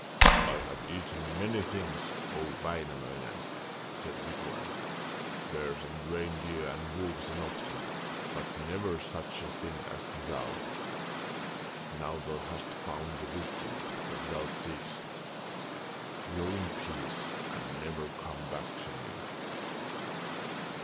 'I have eaten many things, O Wainamoinen,' said Wipunen, 'bears and reindeer, wolves and oxen, but never such a thing as thou. Now thou hast found the wisdom that thou seekest, go in peace and never come back to me.'